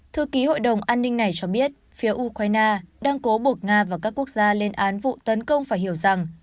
thư ký hội đồng an ninh này cho biết phía ukraine đang cố bột nga và các quốc gia lên án vụ tấn công phải hiểu rằng